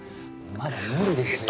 まだ無理ですよ。